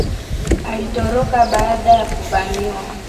Alitoroka baada ya kuvamiwa